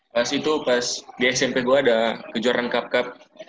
pas itu pas di smp gue ada kejuaraan cup cup